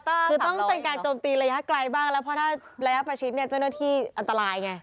คือต้องเป็นการโจมตีระยะไกลบ้างแล้วเพราะถ้าระยะประชิดเนี่ยเจ้าหน้าที่อันตรายไง